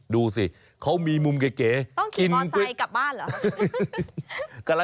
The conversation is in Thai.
ดูสิเขามีมุมเก๋ต้องขี่มอไซค์กลับบ้านเหรอ